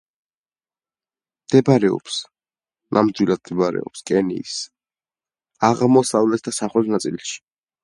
მდებარეობს კენიის სამხრეთ ნაწილში.